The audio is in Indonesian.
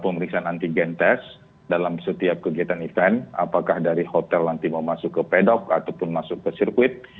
maka dari hotel nanti mau masuk ke pedok ataupun masuk ke sirkuit